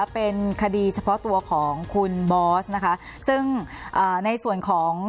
เป็นคดีเฉพาะตัวของคุณบอสนะคะซึ่งในส่วนของ